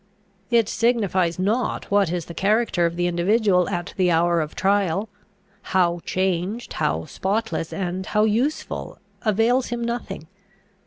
It signifies not what is the character of the individual at the hour of trial. How changed, how spotless, and how useful, avails him nothing.